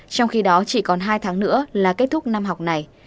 trong khi đó chỉ còn hai tháng nữa là kết thúc năm học này